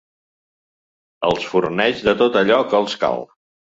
Els forneix de tot allò que els cal.